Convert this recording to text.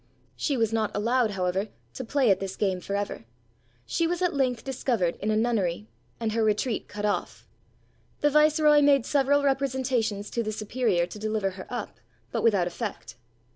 She was not allowed, however, to play at this game for ever; she was at length discovered in a nunnery, and her retreat cut off. The viceroy made several representations to the superior to deliver her up, but without effect.